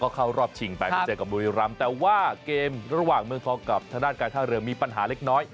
เข้ารอบชิงไปมาเจอกับบุรีรำแต่ว่าเกมระหว่างเมืองทองกับทางด้านการท่าเรือมีปัญหาเล็กน้อย